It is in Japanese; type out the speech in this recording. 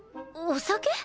お酒！？